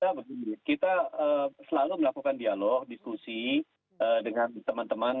kita selalu melakukan dialog